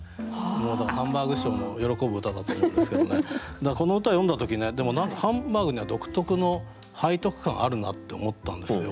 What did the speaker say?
もうだからハンバーグ師匠も喜ぶ歌だと思うんですけどもねだからこの歌を読んだ時ねでも何かハンバーグには独特の背徳感あるなって思ったんですよ